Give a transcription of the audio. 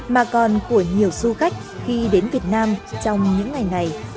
mà còn của nhiều du khách khi đến việt nam trong những ngày này